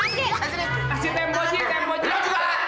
butangan juga banyak